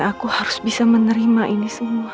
aku harus bisa menerima ini semua